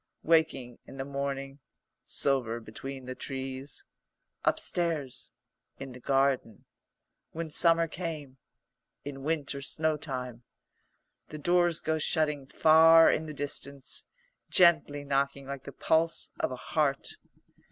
"Waking in the morning " "Silver between the trees " "Upstairs " "In the garden " "When summer came " "In winter snowtime " The doors go shutting far in the distance, gently knocking like the pulse of a heart.